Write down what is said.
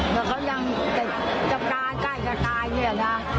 แล้วเขายังจะตายใกล้จะตายเนี่ยนะ